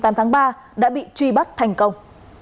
tài xế vào tháng một mươi năm tháng ba đã bị truy bắt thành công